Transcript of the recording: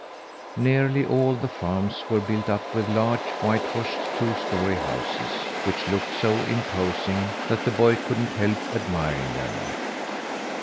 Nearly all the farms were built up with large, whitewashed two story houses, which looked so imposing that the boy couldn't help admiring them.